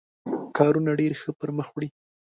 کارونه ډېر ښه پر مخ وړي.